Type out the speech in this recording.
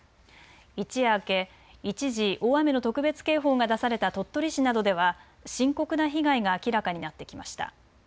一夜明け、一時大雨の特別警報が出された鳥取市などでは深刻な被害が明らかになってきました。